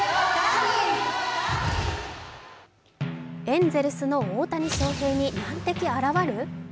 エンゼルスの大谷翔平に難敵現る？